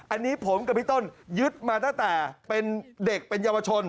อันนี้ผมกับพี่ต้นยึดมาตั้งแต่เป็นเด็กเป็นเยาวชน